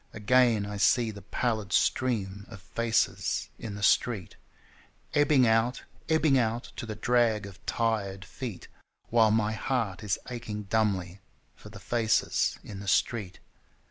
Again I see the pallid stream of faces in the street Ebbing out, ebbing out, To the drag of tired feet, While my heart is aching dumbly for the faces in the street.